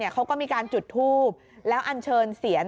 เขาก็มีการจุดทูบแล้วอันเชิญเสียน